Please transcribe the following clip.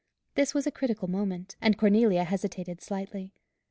This was a critical moment, and Cornelia hesitated slightly.